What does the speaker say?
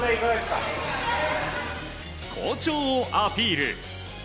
好調をアピール。